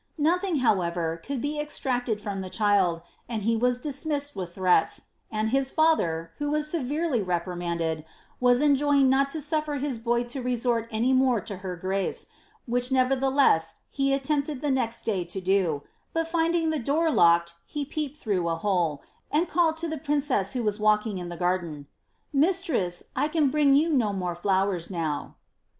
Nothing, however, could be extiacted from the child, and he was dismissed with threats, tnd his father, who was severely reprimanded, was enjoined not to suf fer his boy to resort any more to her grace, which nevertheless he attempted the next day to do, but finding the door locked, he peeped through a hole, and called to the princess who was walking in the gar den, *• Mistress, I can bring you no more flowers now."